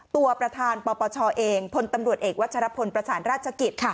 ตัวประธานปปชเองพลตำรวจเอกวัชรพลประสานราชกิจ